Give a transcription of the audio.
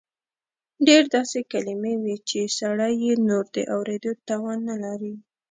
ډېر داسې کلیمې وې چې سړی یې نور د اورېدو توان نه لري.